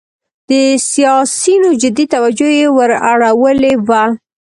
د سیاسینو جدي توجه یې وراړولې وه.